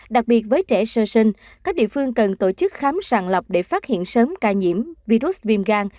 đặc biệt với trẻ sơ sinh các địa phương cần tổ chức khám sàng lọc để phát hiện sớm ca nhiễm virus viêm gan